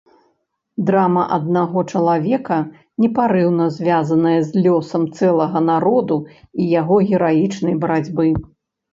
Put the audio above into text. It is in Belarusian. Драма аднаго чалавека, непарыўна звязаная з лёсам цэлага народу і яго гераічнай барацьбы.